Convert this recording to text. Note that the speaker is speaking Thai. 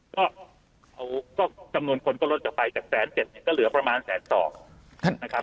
ก็จำนวนคนก็ลดออกไปจาก๑๗๐๐เนี่ยก็เหลือประมาณแสนสองนะครับ